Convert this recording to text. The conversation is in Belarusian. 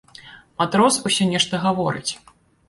Матрос усё нешта гаворыць.